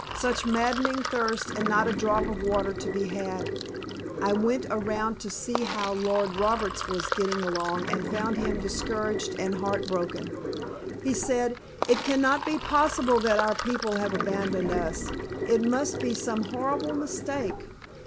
Such maddening thirst and not a drop of water to be had. I went around to see how Lord Roberts was getting along and found him discouraged and heart broken. He said, "It can not be possible that our people have abandoned us, it must be some horrible mistake."